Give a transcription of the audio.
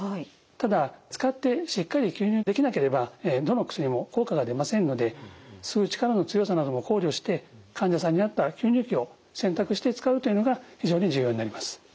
ただ使ってしっかり吸入できなければどの薬も効果が出ませんので吸う力の強さなども考慮して患者さんに合った吸入器を選択して使うというのが非常に重要になります。